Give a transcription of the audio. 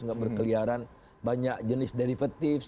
nggak berkeliaran banyak jenis derivatif